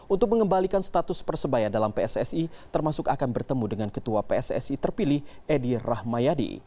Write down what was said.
untuk mengembalikan status persebaya dalam pssi termasuk akan bertemu dengan ketua pssi terpilih edi rahmayadi